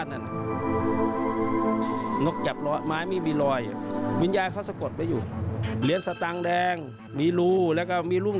โอ้คุณจะเรียกน้องคุณผู้เห็น